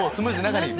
中に。